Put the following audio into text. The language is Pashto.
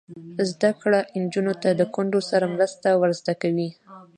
زده کړه نجونو ته د کونډو سره مرسته ور زده کوي.